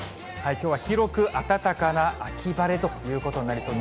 きょうは広く暖かな秋晴れということになりそう。